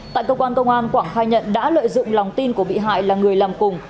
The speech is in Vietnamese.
tại cơ quan công an quảng khai nhận đã lợi dụng lòng tin của bị hại là người làm cùng